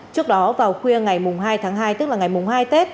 trước đó vào khuya ngày hai tháng hai tức là ngày mùng hai tết